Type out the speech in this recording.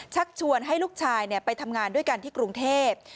ชักชวนให้ลูกชายไปทำงานด้วยกันที่กรุงเทพ